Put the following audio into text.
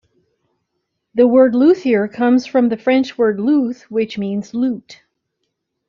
The word "luthier" comes from the French word "luth", which means lute.